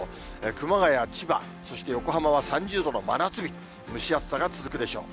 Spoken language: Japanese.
熊谷、千葉、そして横浜は３０度の真夏日、蒸し暑さが続くでしょう。